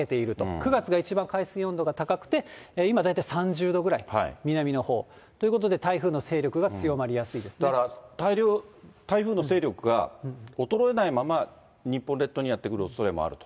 ９月が一番海水温度が高くて、今、大体３０度ぐらい、南のほう、ということで、だから、台風の勢力が衰えないまま、日本列島にやって来るおそれもあると。